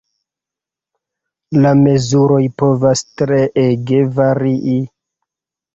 La mezuroj povas treege varii.